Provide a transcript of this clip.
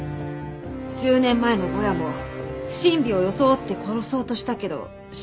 １０年前のぼやも不審火を装って殺そうとしたけど失敗したんですよね？